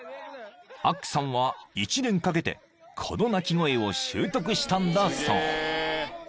［アックさんは１年かけてこの鳴き声を習得したんだそう］